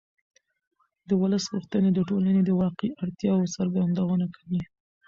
د ولس غوښتنې د ټولنې د واقعي اړتیاوو څرګندونه کوي